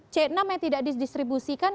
c enam yang tidak didistribusikan